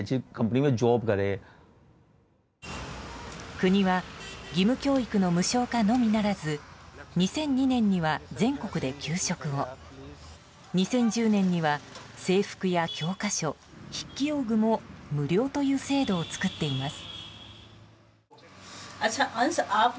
国は義務教育の無償化のみならず２００２年には全国で給食を２０１０年には制服や教科書、筆記用具も無料という制度を作っています。